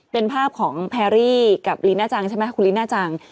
เป็นภาพของแพรรี่กับลีน่าจังใช่ไหมคุณลีน่าจัง